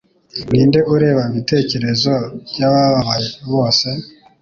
ninde ureba ibitekerezo byabababaye bose